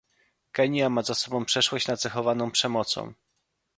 Kenia ma za sobą przeszłość nacechowaną przemocą